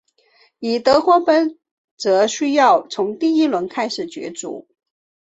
而德国杯则需要从第一轮开始角逐。